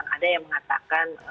ada yang mengatakan